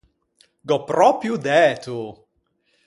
Gh’ò pròpio dæto!